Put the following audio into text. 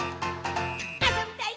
「あそびたい！